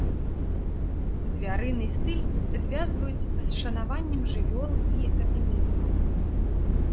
Звярыны стыль звязваюць з шанаваннем жывёл і татэмізмам.